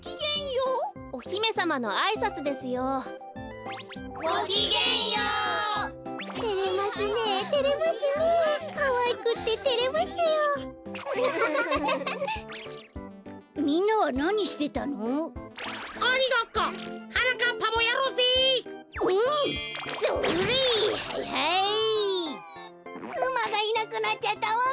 うまがいなくなっちゃったわべ。